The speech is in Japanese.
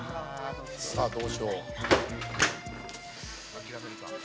「さあどうしよう？」